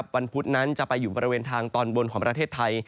พุธนั้นจะไปอยู่บริเวณทางตอนบนของประเทศไทย